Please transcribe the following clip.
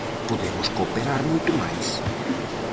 Podemos cooperar moito máis.